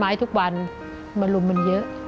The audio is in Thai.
ทำงานทุกวันมันลุมมันเยอะ